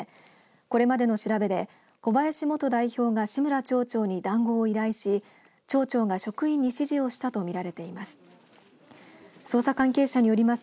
これまでの調べで小林元代表が志村町長に談合を依頼し町長が職員に指示をしたとみられています。